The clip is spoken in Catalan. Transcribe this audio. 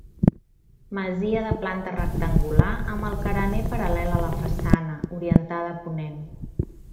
Masia de planta rectangular amb el carener paral·lel a la façana, orientada a ponent.